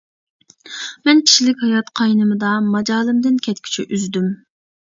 -مەن كىشىلىك ھايات قاينىمىدا ماجالىمدىن كەتكۈچە ئۈزدۈم.